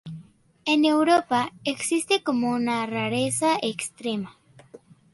En Europa existe como una rareza extrema.